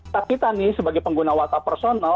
tapi tani sebagai pengguna whatsapp personal